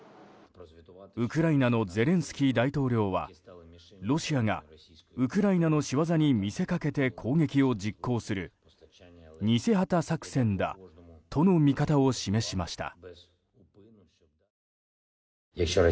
ウクライナのゼレンスキー大統領はロシアがウクライナの仕業に見せかけて攻撃を実行する偽旗作戦だとの見方を示しました。